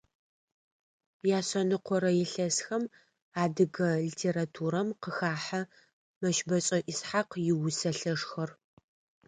Яшъэныкъорэ илъэсхэм адыгэ литературэм къыхахьэ Мэщбэшӏэ Исхьакъ иусэ лъэшхэр.